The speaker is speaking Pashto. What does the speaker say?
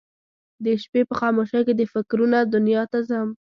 د شپې په خاموشۍ کې د فکرونه دنیا ته ځم